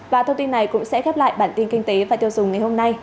và thông tin này cũng sẽ khép lại bản tin kinh tế và tiêu dùng ngày hôm nay